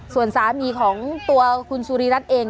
ส่วนสามีของตัวคุณสุริรัตน์เอง